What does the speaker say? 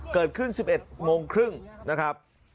เกิดขึ้น๑๑โมงครึ่งนะครับ